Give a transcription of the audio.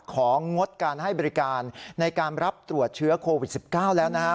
ของงดการให้บริการในการรับตรวจเชื้อโควิด๑๙แล้วนะครับ